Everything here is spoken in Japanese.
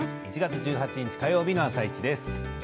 １月１８日火曜日の「あさイチ」です。